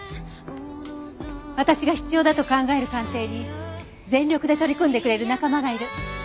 私が必要だと考える鑑定に全力で取り組んでくれる仲間がいる。